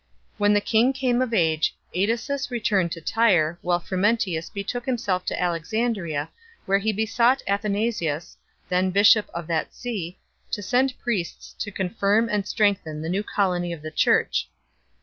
When the king came of age, ^Edesius returned to Tyre, while Frumentius betook himself to Alexandria, where he besought Athanasius, then bishop of that see, to send priests to confirm and strengthen the new colony of the Church.